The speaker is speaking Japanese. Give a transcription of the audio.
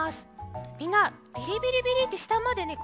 みんなビリビリビリってしたまでね